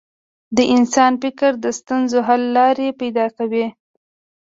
د انسان فکر د ستونزو حل لارې پیدا کوي.